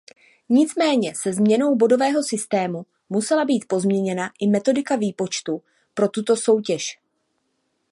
Nicméně se změnou bodového systému musela být pozměněna i metodika výpočtu pro tuto soutěž.